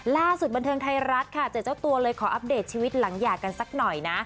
ล่าสุดบันเทิงไทยรัฐค่ะเจอเจ้าตัวเลยขออัปเดตชีวิตหลังหย่ากันสักหน่อยนะ